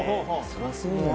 そらそうだよね。